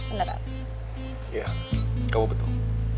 iya kamu betul